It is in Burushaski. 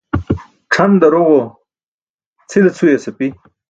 C̣ʰan daroġo cʰile cʰuyas api.